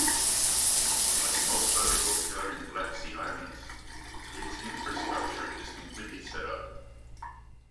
Unlike most other Bulgarian Black Sea islands, its infrastructure is completely set up.